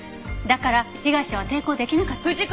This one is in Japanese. だから被害者は抵抗できなかった。